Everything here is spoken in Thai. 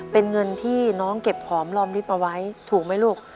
เป็นเงินที่น้องเก็บของลอมริบมาไว้ถูกไหมลูก